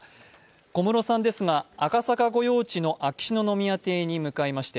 小室さんですが、赤坂御用地の秋篠宮邸に向かいまして